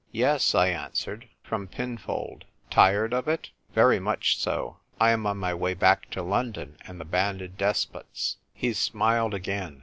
" Yes," I answered. " From Pinfold." "Tired of it ?"" Very much so. I am on my way back to London and the Banded Despots." He smiled again.